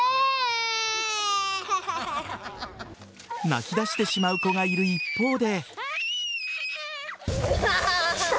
泣き出してしまう子がいる一方で。